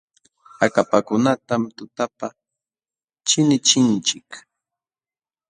Akapakunatam tutapa chinichinchik.